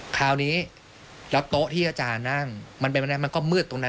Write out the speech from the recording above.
คราวนี้แล้วโต๊ะที่อาจารย์นั่งมันก็มืดตรงนั้น